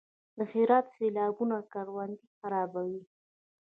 د هرات سیلابونه کروندې خرابوي؟